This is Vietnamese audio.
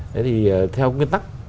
thế thì theo nguyên tắc